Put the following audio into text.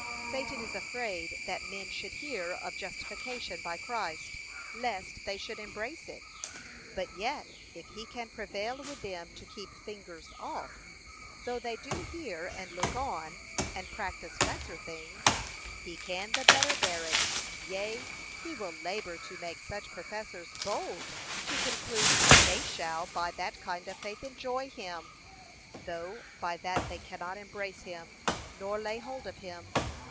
Satan is afraid that men should hear of justification by Christ, lest they should embrace it. But yet, if he can prevail with them to keep fingers off, though they do hear and look on, and practise lesser things, he can the better bear it; yea, he will labour to make such professors bold to conclude they shall by that kind of faith enjoy him, though by that they cannot embrace him, nor lay hold of him.